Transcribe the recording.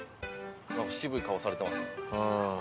渋い顔されてますよ。